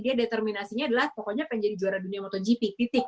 dia determinasinya adalah pokoknya pengen jadi juara dunia motogp titik